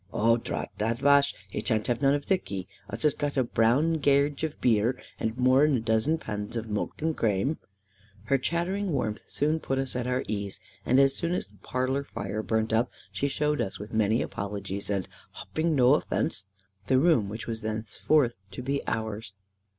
"Oh drat that wash, e shan't have none of thiccy. Us has got a brown gearge of beer, and more nor a dizzen pans of mulk and crame." Her chattering warmth soon put us at our ease; and as soon as the parlour fire burnt up, she showed us with many apologies, and "hopping no offence" the room which was thenceforth to be ours.